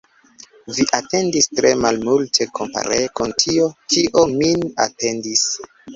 Vi atendis tre malmulte, kompare kun tio, kio min atendis.